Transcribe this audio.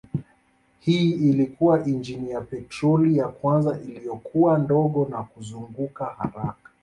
Hii ilikuwa injini ya petroli ya kwanza iliyokuwa ndogo na kuzunguka haraka.